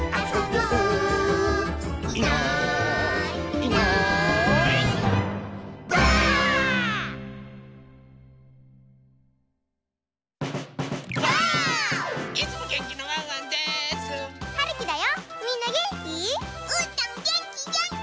うーたんげんきげんき！